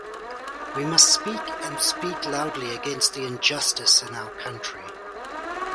We must speak and speak loudly against the injustice in our country.